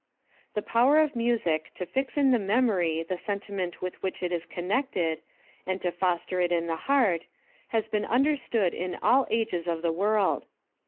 The power of music to fix in the memory the sentiment with which it is connected, and to foster it in the heart, has been understood in all ages of the world.